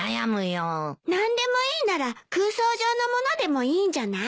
何でもいいなら空想上のものでもいいんじゃない？